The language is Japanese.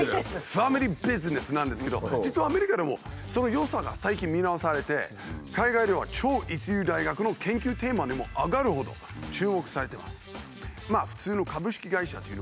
ファミリービジネスなんですけど実はアメリカでもその良さが最近見直されて海外では超一流大学の研究テーマにも挙がるほど注目されてます。